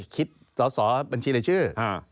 คิดสอสอบัญชีรายชื่อ